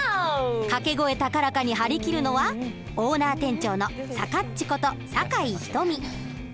掛け声高らかに張り切るのはオーナー店長の「さかっち」こと酒井瞳。